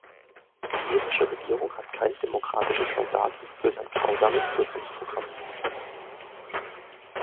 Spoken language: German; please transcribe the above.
Diese irische Regierung hat kein demokratisches Mandat für sein grausames Kürzungsprogramm.